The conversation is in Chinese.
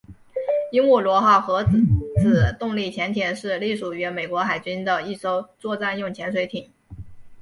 鹦鹉螺号核子动力潜艇是隶属于美国海军的一艘作战用潜水艇。